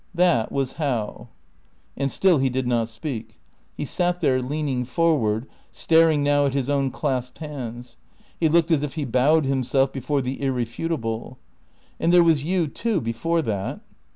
"That was how." And still he did not speak. He sat there, leaning forward, staring now at his own clasped hands. He looked as if he bowed himself before the irrefutable. "And there was you, too, before that."